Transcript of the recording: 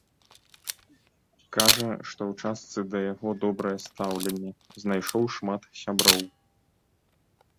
Кажа, што ў частцы да яго добрае стаўленне, знайшоў шмат сяброў.